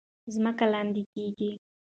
ځمکې لاندې کیږي.